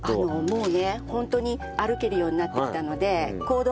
もうねホントに歩けるようになってきたので行動範囲が。